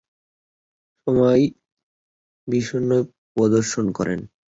সময় বিস্ময় প্রদর্শন করে।